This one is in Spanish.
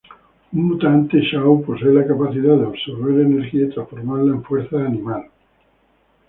Un mutante, Shaw posee la capacidad de absorber energía y transformarla en fuerza bruta.